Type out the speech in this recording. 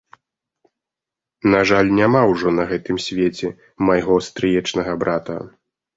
На жаль, няма ўжо на гэтым свеце майго стрыечнага брата.